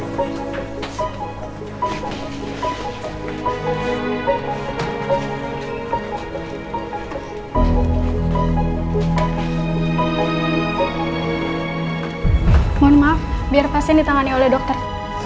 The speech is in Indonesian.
mohon maaf biar pasien ditangani oleh dokter